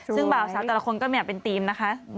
ซึ่งเบ่าสาวแต่ละคนก็มีเป็นทีมนะคะ